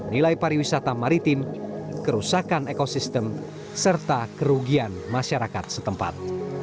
nilai pariwisata maritim kerusakan ekosistem serta kerugian masyarakat setempat